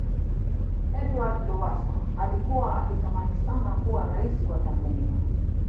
edward lowasa alikuwa akitamani sana kuwa raisi wa tanzania